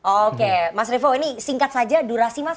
oke mas revo ini singkat saja durasi mas